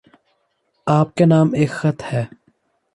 آپ کے نام ایک خط ہے